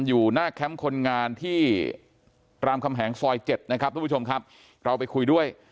อยู่หน้าแคมป์คนงานที่ตรามคำแหงซอย๗นะครับเราไปคุยด้วย